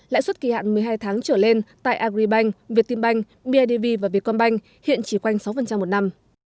lãi suất kỳ hạn một mươi hai tháng trở lên tại agribank việt tiên banh bidv và việt con banh hiện chỉ quanh sáu một năm